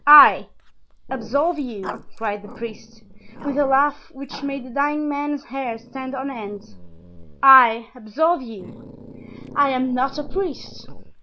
"I, absolve you!" cried the priest, with a laugh which made the dying man's hair stand on end; "I, absolve you? I am not a priest."